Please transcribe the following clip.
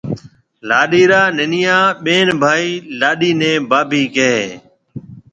لاڏيَ را ننَيان ٻين ڀائي لاڏيِ نَي ڀاڀِي ڪهيَ هيَ۔